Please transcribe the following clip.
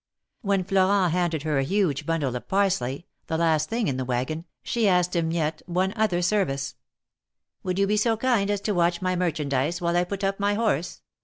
When Florent handed her a huge bundle of parsley, the last thing in the wagon, she asked him yet one other service. ''Would you be so kind as to watch my merchandise while I put up my horse